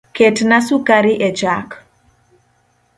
Ketna sukari echak